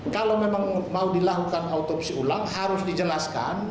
kalau memang mau dilakukan autopsi ulang harus dijelaskan